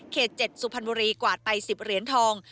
เขต๗สุพันบุรีควาดไป๑๐เหรียญทอง